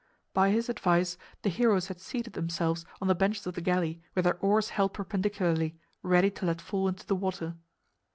By his advice the heroes had seated themselves on the benches of the galley, with their oars held perpendicularly, ready to let fall into the water.